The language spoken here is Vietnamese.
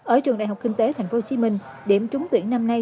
ở trường đại học kinh tế tp hcm điểm trúng tuyển năm nay